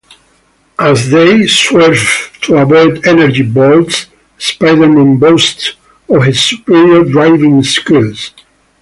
As they swerve to avoid energy bolts, Spider-Man boasts of his superior driving skills.